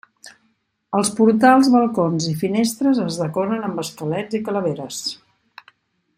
Els portals, balcons i finestres es decoren amb esquelets i calaveres.